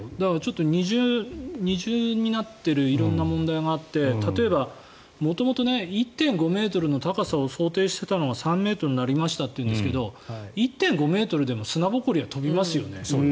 二重になっている色んな問題があって例えば元々１．５ｍの高さを想定していたのが３ｍになりましたといいますが１．５ｍでも砂ぼこりは飛びますよね。